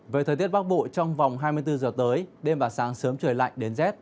về thời tiết bắc bộ trong vòng hai mươi bốn giờ tới đêm và sáng sớm trời lạnh đến rét